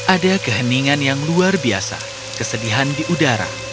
ada keheningan yang luar biasa kesedihan di udara